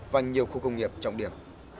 và nhiều khu công nghiệp trọng điểm